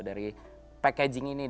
dari packaging ini dari logo